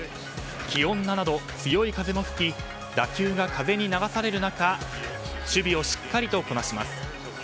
気温７度強い風も吹き打球が風に流される中守備をしっかりとこなします。